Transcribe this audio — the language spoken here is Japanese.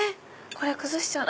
これ崩しちゃう。